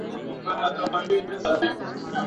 Mtu mwenye bidii hutuwa